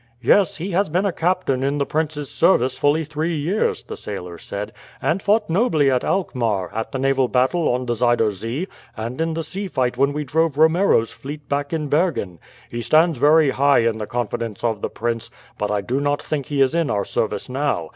"Yes, he has been a captain in the prince's service fully three years," the sailor said; "and fought nobly at Alkmaar, at the naval battle on the Zuider Zee, and in the sea fight when we drove Romero's fleet back in Bergen. He stands very high in the confidence of the prince, but I do not think he is in our service now.